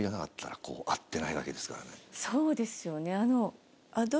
そうですよね。